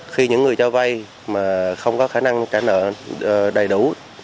khi những người cho vay mà không có khả năng trả nợ đầy đủ